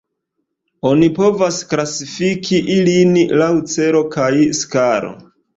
Oni povas klasifiki ilin laŭ celo kaj skalo.